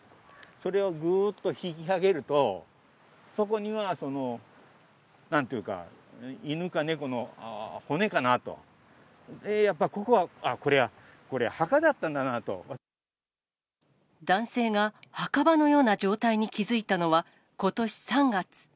それをぐーっと引き上げると、そこにはなんていうか、犬か猫の骨かなと、やっぱここは、あ、男性が墓場のような状態に気付いたのはことし３月。